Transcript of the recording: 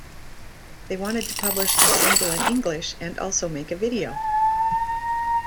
They wanted to publish a single in English and also make a video.